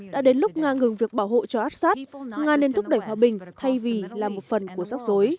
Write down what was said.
đã đến lúc nga ngừng việc bảo hộ cho assad nga nên thúc đẩy hòa bình thay vì làm một phần của giác dối